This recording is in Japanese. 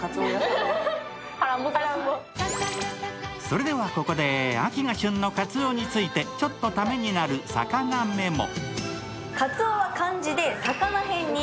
それではここで、秋が旬のカツオについてちょっとタメになる魚メモ。